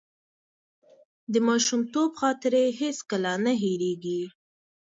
د ماشومتوب خاطرې هیڅکله نه هېرېږي.